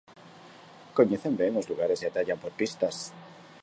Coñecen ben os lugares e atallan por pistas.